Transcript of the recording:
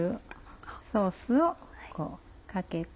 ソースをかけて。